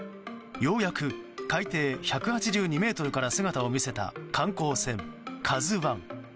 ようやく海底１８２ｍから姿を見せた観光船「ＫＡＺＵ１」。